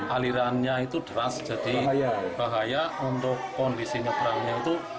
alirannya itu deras jadi bahaya untuk kondisi nyebrangnya itu